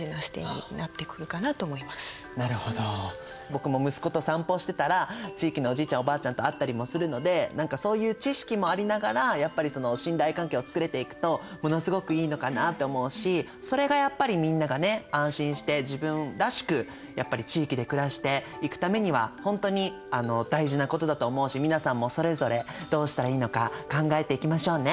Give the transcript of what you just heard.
僕も息子と散歩してたら地域のおじいちゃんおばあちゃんと会ったりもするので何かそういう知識もありながらやっぱりその信頼関係を作れていくとものすごくいいのかなって思うしそれがやっぱりみんながね安心して自分らしくやっぱり地域で暮らしていくためにはほんとに大事なことだと思うし皆さんもそれぞれどうしたらいいのか考えていきましょうね！